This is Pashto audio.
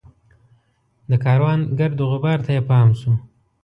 د کاروان ګرد وغبار ته یې پام شو.